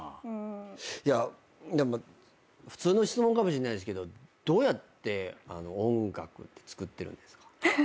いや普通の質問かもしれないですけどどうやって音楽って作ってるんですか？